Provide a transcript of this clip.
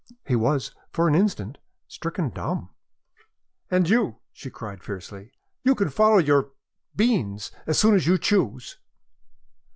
He was, for an instant, stricken dumb. "And you," she cried fiercely, "you can follow your beans, as soon as you choose!"